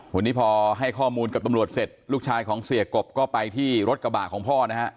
วันนี้พอให้ข้อมูลกับตำรวจเสร็จลูกชายของเสียกบก็ไปที่รถกระบะของพ่อนะฮะ